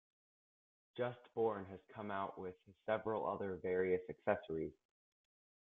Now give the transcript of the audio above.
Just Born has come out with several other various accessories.